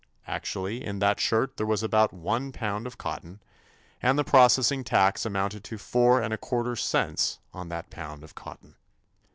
Actually in that shirt there was about one pound of cotton and the processing tax amounted to four and a quarter cents on that pound of cotton.